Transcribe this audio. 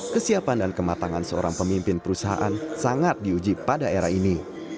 kesiapan dan kematangan seorang pemimpin perusahaan sangat diuji pada era ini